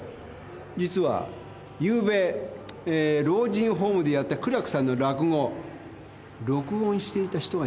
実は昨夜老人ホームでやった苦楽さんの落語録音していた人がいたんですよ。